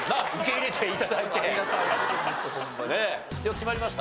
決まりました？